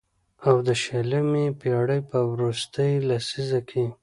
او د شلمې پېړۍ په وروستۍ لسيزه کې